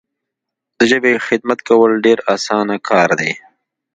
د ژبي خدمت کول ډیر اسانه کار دی.